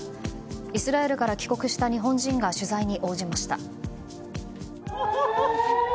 イスラエルから帰国した日本人が取材に応じました。